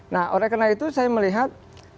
nah oleh karena itu saya melihat